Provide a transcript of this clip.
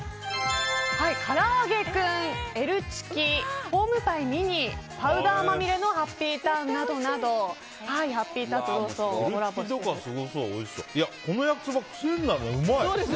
からあげクン、Ｌチキホームパイミニパウダーまみれのハッピーターンなどハッピーターンとコラボしています。